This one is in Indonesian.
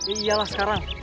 iya lah sekarang